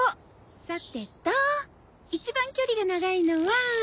さてと一番距離が長いのは。